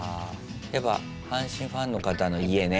やっぱ阪神ファンの方の家ね。